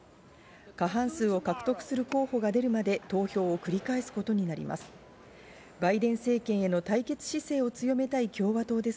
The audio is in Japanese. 過半数を獲得する候補が出るまで投票を繰り返すことになります。